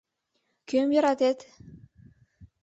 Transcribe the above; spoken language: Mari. Кӧм йӧратет?